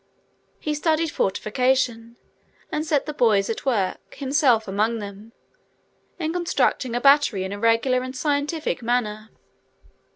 He studied fortification, and set the boys at work, himself among them, in constructing a battery in a regular and scientific manner.